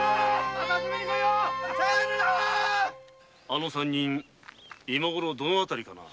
あの三人今ごろはどの辺りかな。